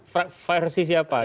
fakta masih versi siapa